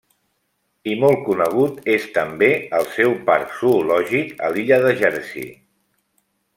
I molt conegut és també el seu parc zoològic a l'illa de Jersey.